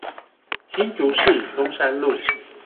新竹市中山路